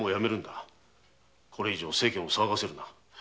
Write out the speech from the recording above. これ以上世間を騒がせるな。